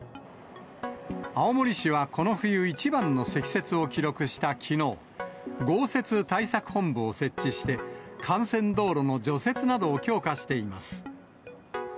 青森市はこの冬一番の積雪を記録したきのう、豪雪対策本部を設置して、幹線道路の除雪などを強化しています。